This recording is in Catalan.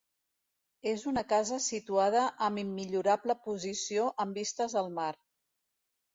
És una casa situada en immillorable posició amb vistes al mar.